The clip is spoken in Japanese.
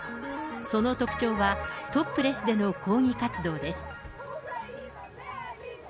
その特徴は、トップレスでの抗議活動です。